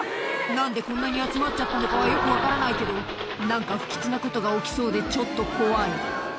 なんでこんなに集まっちゃったのかは、よく分からないけど、なんか不吉なことが起きそうで、ちょっと怖い。